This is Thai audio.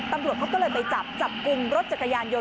ตำรวจเขาก็เลยไปจับจับกลุ่มรถจักรยานยนต